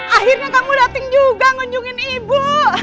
akhirnya kamu datang juga ngunjungin ibu